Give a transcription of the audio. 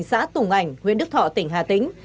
xã tùng ảnh huyện đức thọ tỉnh hà tĩnh